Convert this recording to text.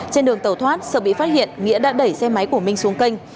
trên đường tàu thoát sợ bị phát hiện nghĩa đã đẩy xe máy của minh xuống kênh